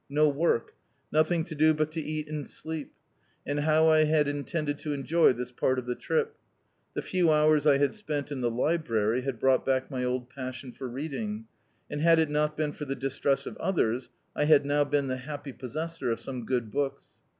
No work; nothing to do but to eat and sleep. And how I had intended to enjoy this part of the trip! The few hours I had spent in the library, had brought back my old passion for reading, and, had it not been for the distress of others, I had now been die happy possessor of some good books.